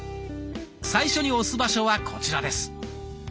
最初に押す場所はこちらです。